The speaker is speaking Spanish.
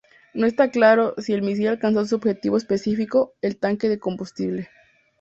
No está claro si el misil alcanzó su objetivo específico, el tanque de combustible.